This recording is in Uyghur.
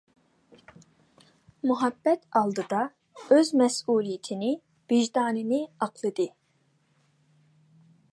مۇھەببەت ئالدىدا ئۆز مەسئۇلىيىتىنى، ۋىجدانىنى ئاقلىدى.